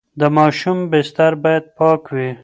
د ماشوم بستر باید پاک وي.